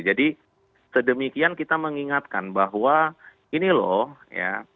jadi sedemikian kita mengingatkan bahwa ini loh ya